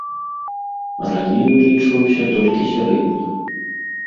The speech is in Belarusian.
Раней вылічваўся толькі сярэдні.